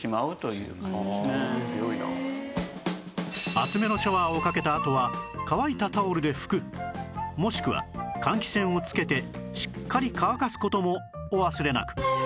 熱めのシャワーをかけたあとは乾いたタオルで拭くもしくは換気扇をつけてしっかり乾かす事もお忘れなく